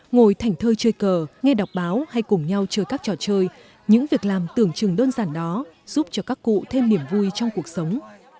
ngồi thảnh thơi chơi cờ nghe đọc báo hay cùng nhau chơi các trò chơi những việc làm tưởng chừng đơn giản đó giúp cho các cụ thêm niềm vui trong cuộc sống